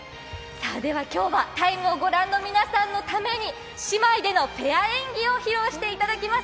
今日は「ＴＩＭＥ，」をご覧の皆さんのために姉妹でのペア演技を披露していただきます。